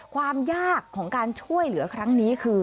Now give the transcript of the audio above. ความยากของการช่วยเหลือครั้งนี้คือ